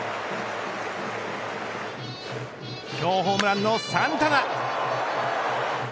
今日ホームランのサンタナ。